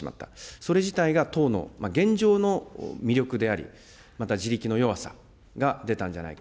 それ自体が党の現状の魅力であり、また地力の弱さが出たんじゃないか。